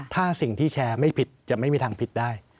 ถ้าสิ่งที่แชร์ไม่ผิดจะไม่มีทางผิดได้